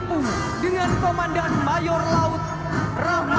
kri toran dengan komandan mayor laut taufik pamungkas